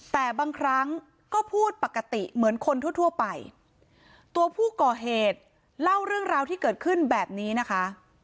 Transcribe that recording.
แต่บางครั้งก็พูดปกติเหมือนคนทั่วทั่วไปตัวผู้ก่อเหตุเล่าเรื่องราวที่เกิดขึ้นแบบนี้นะคะ